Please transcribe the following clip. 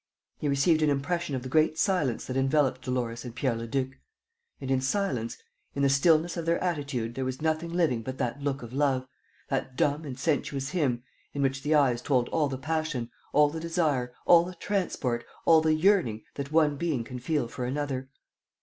He received an impression of the great silence that enveloped Dolores and Pierre Leduc; and in silence, in the stillness of their attitude there was nothing living but that look of love, that dumb and sensuous hymn in which the eyes told all the passion, all the desire, all the transport, all the yearning that one being can feel for another.